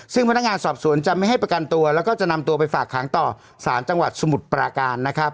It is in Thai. ซึ่งพนักงานสอบสวนจะไม่ให้ประกันตัวแล้วก็จะนำตัวไปฝากขังต่อสารจังหวัดสมุทรปราการนะครับ